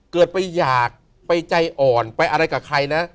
เกิดไปอยากไปใจอ่อนไปอะไรกับใครนะ